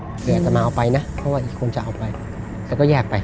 เดี๋ยวอาจจะมาเอาไปนะเพราะว่าอีกคนจะเอาไปแล้วก็แยกไป